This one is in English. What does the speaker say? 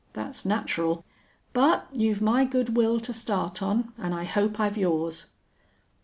Thet's natural. But you've my good will to start on an' I hope I've yours."